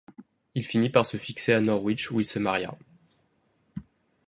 Il finit par se fixer à Norwich où il se maria.